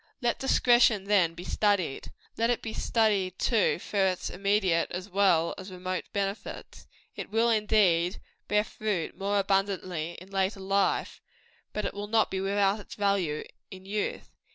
Let discretion then be studied. Let it be studied, too, for its immediate as well as remote benefits. It will, indeed, bear fruit more abundantly in later life; but it will not be without its value in youth.